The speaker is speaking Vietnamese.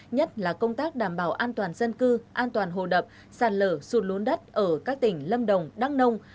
nhất là công tác đảm bảo an toàn dân cư an toàn hồ đập sạt lở sụt lún đất ở các tỉnh lâm đồng đăng nông